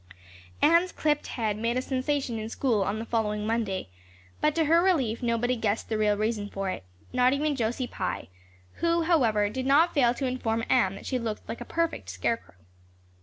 Anne's clipped head made a sensation in school on the following Monday, but to her relief nobody guessed the real reason for it, not even Josie Pye, who, however, did not fail to inform Anne that she looked like a perfect scarecrow.